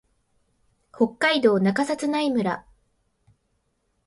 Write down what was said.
北海道中札内村